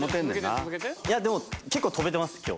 いやでも結構跳べてます今日。